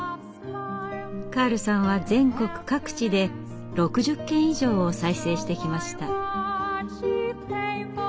カールさんは全国各地で６０軒以上を再生してきました。